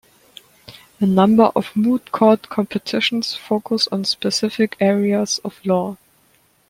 A number of moot court competitions focus on specific areas of law.